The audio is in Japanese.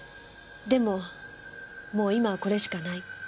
でももう今はこれしかない。